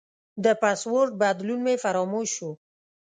د پاسورډ بدلون مې فراموش شو.